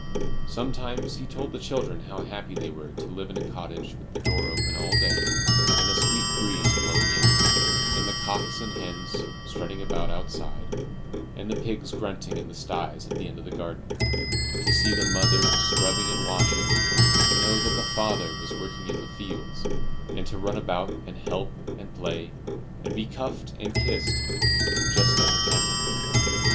Sometimes he told the children how happy they were to live in a cottage with the door open all day, and the sweet breeze blowing in, and the cocks and hens strutting about outside, and the pigs grunting in the styes at the end of the garden; to see the mother scrubbing and washing, to know that the father was working in the fields, and to run about and help and play, and be cuffed and kissed, just as it happened.